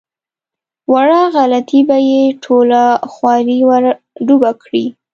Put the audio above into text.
وړه غلطي به یې ټوله خواري ور ډوبه کړي.